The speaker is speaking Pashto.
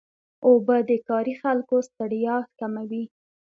اوبه د کاري خلکو ستړیا کموي.